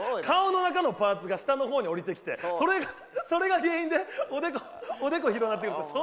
顔の中のパーツが下のほうに下りてきてそれが原因でおでこが広がってるって。